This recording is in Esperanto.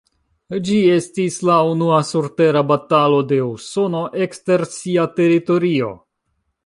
Ĝi estis la unua surtera batalo de Usono ekster sia teritorio.